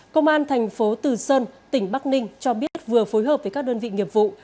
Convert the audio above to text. công an thành phố từ sơn tỉnh bắc ninh cho biết vừa phối hợp với các đơn vị nghiệp vụ